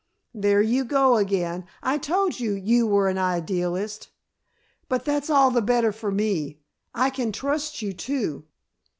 "There you go again. I told you you were an idealist. But that's all the better for me. I can trust you, too."